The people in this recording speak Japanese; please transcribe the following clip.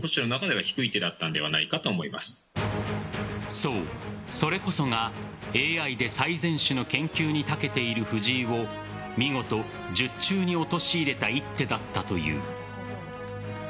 そう、それこそがＡＩで最善手の研究に長けている藤井を見事、術中に陥れた一手だったという。